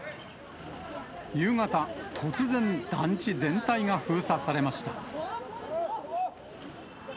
夕方、突然、団地全体が封鎖されました。